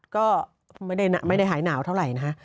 ก็ไม่ได้หายหนาวเท่าไหร่นะฮะ